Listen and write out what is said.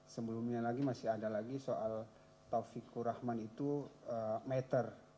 sebelumnya lagi masih ada lagi soal taufikur rahman itu meter